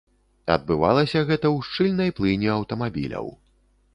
Адбывалася гэта ў шчыльнай плыні аўтамабіляў.